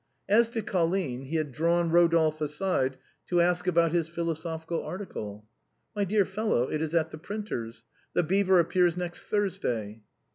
As to Colline, he had drawn Rodolphe aside to ask about his philosophical article. " My dear fellow, it is at the printer's. * The Beaver ' appears next Thursday."